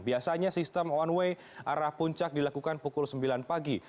biasanya sistem one way arah puncak dilakukan pukul sembilan pagi